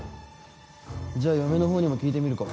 じゃあ嫁の方にも聞いてみるか。